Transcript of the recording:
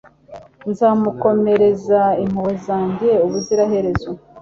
Nzamukomereza impuhwe zanjye ubuziraherezo